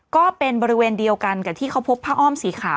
ก็เป็นบริเวณเดียวกันกับที่เขาพบผ้าอ้อมสีขาว